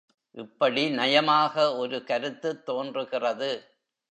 இப்படி நயமாக ஒரு கருத்துத் தோன்றுகிறது.